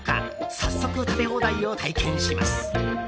早速、食べ放題を体験します。